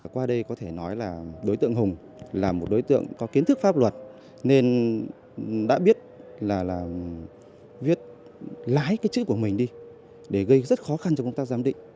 qua đây có thể nói là đối tượng hùng là một đối tượng có kiến thức pháp luật nên đã biết là viết lái cái chữ của mình đi để gây rất khó khăn cho công tác giám định